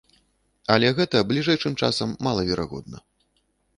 Але гэта бліжэйшым часам малаверагодна.